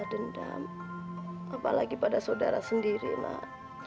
teteh kamu memang salah